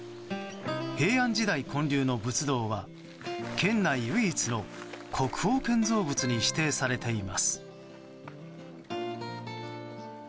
平安時代建立の仏像は県内唯一の国宝建造物に指定されています。